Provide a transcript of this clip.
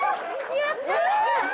やった！